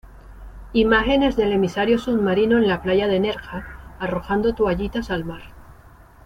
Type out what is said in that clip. imágenes del emisario submarino en la playa de Nerja arrojando toallitas al mar